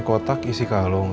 kotak isi kalung